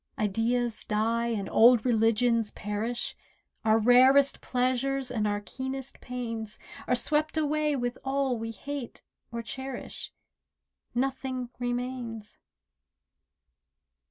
Ideas die and old religions perish, Our rarest pleasures and our keenest pains Are swept away with all we hate or cherish— Nothing remains.